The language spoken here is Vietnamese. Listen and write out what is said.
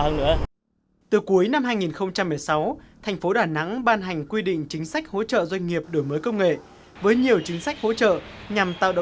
công ty hà giang phước tường đã được công nhận là doanh nghiệp đổi mới công nghệ ứng dụng công nghệ tiêu biểu